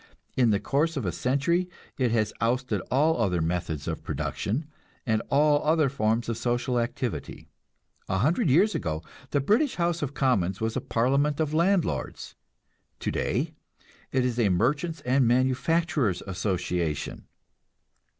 In the course of a century it has ousted all other methods of production, and all other forms of social activity. A hundred years ago the British House of Commons was a parliament of landlords; today it is a Merchants' and Manufacturers' Association.